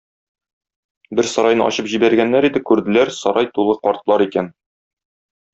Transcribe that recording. Бер сарайны ачып җибәргәннәр иде, күрделәр: сарай тулы картлар икән.